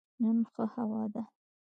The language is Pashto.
نن ښه هوا ده